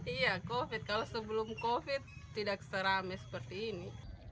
iya covid kalau sebelum covid tidak seramai seperti ini